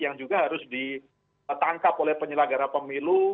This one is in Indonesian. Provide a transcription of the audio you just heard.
karena itu harus ditangkap oleh penyelenggara pemilu